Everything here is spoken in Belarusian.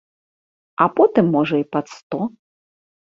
А потым можа і пад сто.